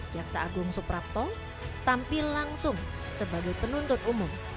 jaksa agung suprapto tampil langsung sebagai penuntut umum